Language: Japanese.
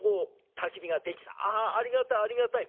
「あありがたいありがたい」。